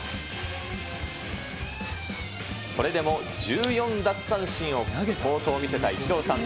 それでも１４奪三振の好投を見せたイチローさん。